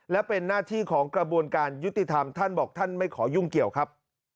และเป็นหน้าที่ของกระบวนการยุติธรรมท่านบอกท่านไม่ขอยุ่งเกี่ยวครับ